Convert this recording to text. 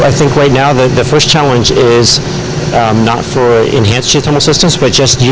jadi sekarang pertanyaannya bukan untuk sistem geotermal yang lebih meningkat